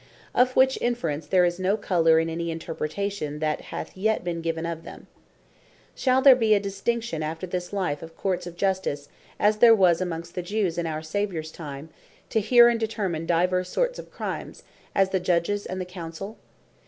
Of which inference, there is no colour in any interpretation that hath yet been given to them: Shall there be a distinction after this life of Courts of Justice, as there was amongst the Jews in our Saviours time, to hear, and determine divers sorts of Crimes; as the Judges, and the Councell?